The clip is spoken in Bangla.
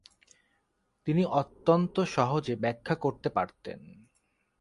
তিনি অত্যন্ত সহজে ব্যাখ্যা করতে পারতেন"।